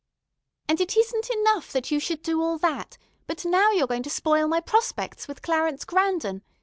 "And it isn't enough that you should do all that, but now you're going to spoil my prospects with Clarence Grandon.